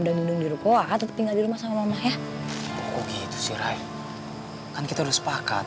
dinding di rukawa tetap tinggal di rumah sama mamah ya gitu sih rai kan kita udah sepakat